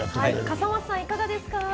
笠松さんいかがですか。